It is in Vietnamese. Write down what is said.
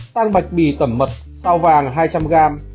tăng bạch bì tẩm mật sau vàng hai trăm linh g